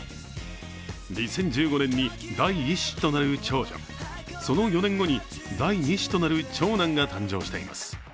２０１５年に第１子となる長女、その４年後に第２子となる長男が誕生しています。